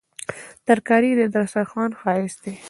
ترکاري د سترخوان ښايست دی